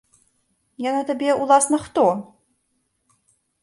Яна табе, уласна, хто?